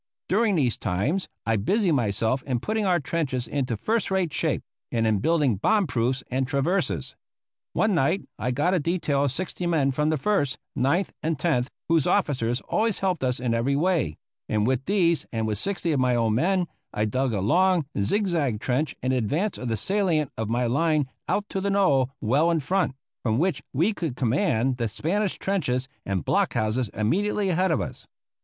During these times I busied myself in putting our trenches into first rate shape and in building bomb proofs and traverses. One night I got a detail of sixty men from the First, Ninth, and Tenth, whose officers always helped us in every way, and with these, and with sixty of my own men, I dug a long, zigzag trench in advance of the salient of my line out to a knoll well in front, from which we could command the Spanish trenches and block houses immediately ahead of us.